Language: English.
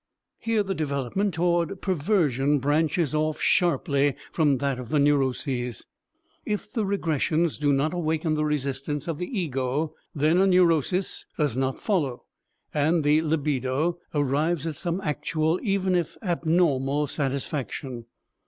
Here the development toward perversion branches off sharply from that of the neuroses. If the regressions do not awaken the resistance of the ego, then a neurosis does not follow and the libido arrives at some actual, even if abnormal, satisfaction.